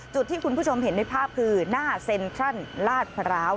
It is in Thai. จุดที่คุณผู้ชมเห็นในภาพคือหน้าเซ็นทรัลลาดพร้าว